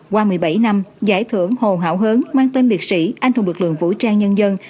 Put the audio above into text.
qua một mươi bảy năm giải thưởng hồ hảo hến mang tên liệt sĩ anh hùng lực lượng vũ trang nhân dân